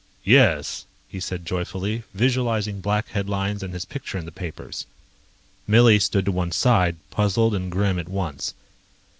"Yes," he said joyfully, visualizing black headlines and his picture in the papers. Millie stood to one side, puzzled and grim at once.